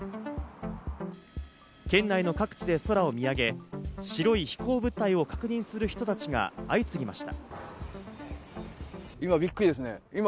県内の各地で空を見上げ、白い飛行物体を確認する人たちが相次ぎました。